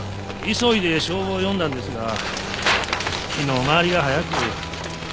急いで消防を呼んだんですが火の回りが早く。